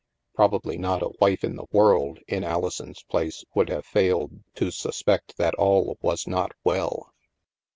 Probably not a wife in the world, in Alison's place, would have failed to suspect that all was not well.